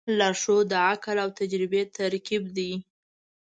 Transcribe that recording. لارښود د عقل او تجربې ترکیب دی.